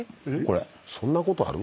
そんなことある？